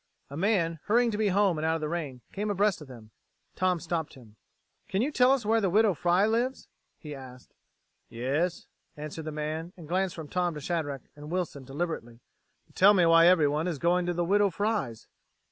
A man, hurrying to be home and out of the rain, came abreast of them. Tom stopped him. "Can you tell us where the Widow Fry lives?" he asked. "Yes," answered the man, and he glanced from Tom to Shadrack and Wilson deliberately. "But tell me why everyone is going to the Widow Fry's!"